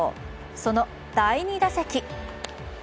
その第２打席。